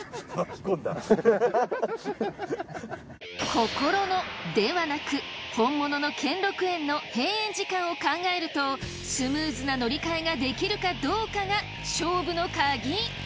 心のではなく本物の兼六園の閉園時間を考えるとスムーズな乗り換えができるかどうかが勝負のカギ。